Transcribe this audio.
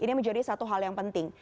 ini menjadi satu hal yang penting